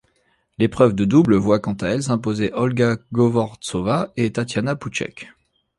L'épreuve de double voit quant à elle s'imposer Olga Govortsova et Tatiana Poutchek.